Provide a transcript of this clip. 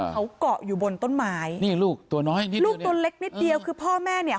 เขาเกาะอยู่บนต้นไม้นี่ลูกตัวน้อยอีกนิดลูกตัวเล็กนิดเดียวคือพ่อแม่เนี่ย